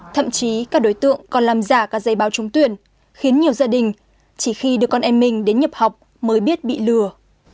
thậm chí các đối tượng còn làm giả các dây báo trung tuyển khiến nhiều gia đình chỉ khi đưa con em mình đến nhập học mới biết bị lừa